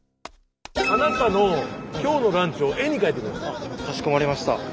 あなたのかしこまりました。